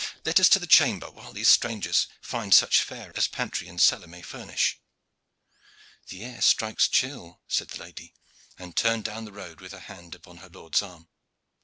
Let us to the chamber, while these strangers find such fare as pantry and cellar may furnish." "The night air strikes chill," said the lady, and turned down the road with her hand upon her lord's arm.